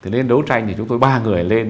lên đấu tranh thì chúng tôi ba người lên